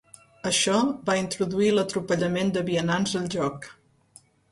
Això va introduir l'atropellament de vianants al joc.